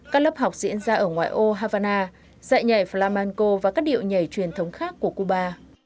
các lớp học diễn ra ở ngoại ô havana dạy nhảy flamanco và các điệu nhảy truyền thống khác của cuba